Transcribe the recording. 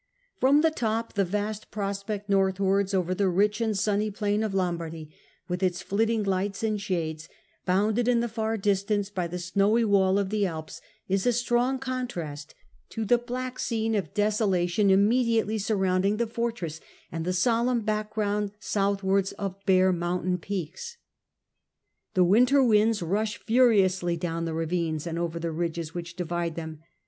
From the top the vast prospect northwards, over the rich and sunny plain of Lombardy, with its flitting lights and shades, bounded in the far distance by the snowy wall of the Alps, is a strong contrast to the black scene of desolation immediately surrounding the fortress, and the solemn background southwards of bare mountain peaks. The winter winds rush furiously down the ravines, and over the ridges which divide them.